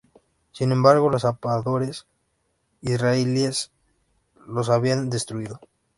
Sin embargo, los zapadores israelíes los habían destruido.